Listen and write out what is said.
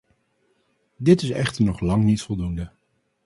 Dit is echter nog lang niet voldoende.